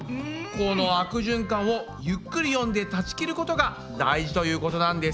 この悪循環をゆっくり読んで断ち切ることが大事ということなんです。